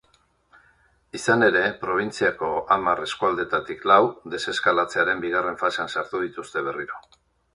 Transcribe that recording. Izan ere, probintziako hamar eskualdetatik lau deseskalatzearen bigarren fasean sartu dituzte berriro.